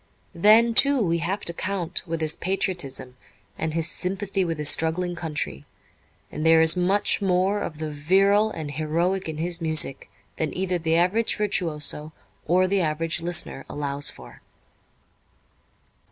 Then, too, we have to count with his patriotism and his sympathy with his struggling country, and there is much more of the virile and heroic in his music than either the average virtuoso or the average listener allows for.